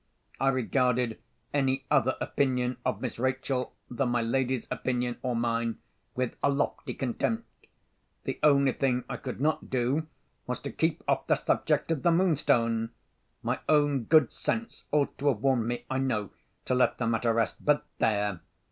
I regarded any other opinion of Miss Rachel, than my lady's opinion or mine, with a lofty contempt. The only thing I could not do, was to keep off the subject of the Moonstone! My own good sense ought to have warned me, I know, to let the matter rest—but, there!